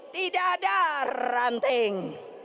tidak ada ranting